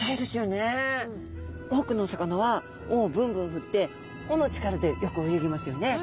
多くのお魚は尾をぶんぶん振って尾の力でよく泳ぎますよね。